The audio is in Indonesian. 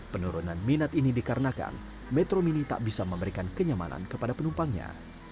penurunan minat ini dikarenakan metro mini tak bisa memberikan kenyamanan kepada penumpangnya